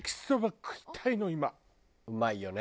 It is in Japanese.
うまいよね。